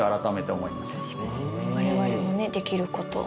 我々もねできることを。